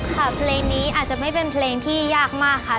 เพลงนี้อาจจะไม่เป็นเพลงที่ยากมากค่ะ